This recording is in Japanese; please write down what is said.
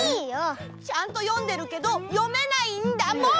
ちゃんと読んでるけど読めないんだもん！